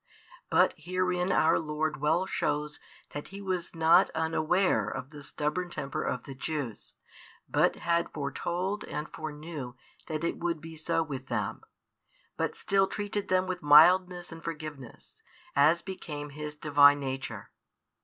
But herein our Lord well shows that He was not unaware of the stubborn temper of the Jews, but had foretold and foreknew that it would be so with them, but still treated them with mildness and forgiveness, as became His Divine Nature.